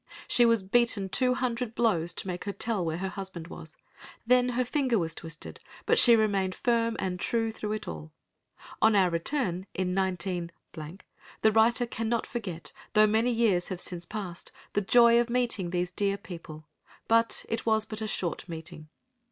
She was beaten two hundred blows to make her tell where her husband was. Then her finger was twisted, but she remained firm and true through it all. On our return in 19— the writer cannot forget, though many years have since passed, the joy of meeting these dear people, but it was but a short meeting.